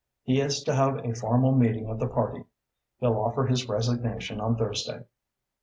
He is to have a formal meeting of the party. He'll offer his resignation on Thursday."